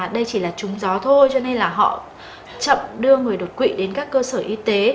đây chỉ là trúng gió thôi cho nên là họ chậm đưa người đột quỵ đến các cơ sở y tế